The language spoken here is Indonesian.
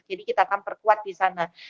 jadi kita akan perkuat di sana